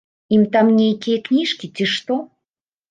Ім там нейкія кніжкі ці што.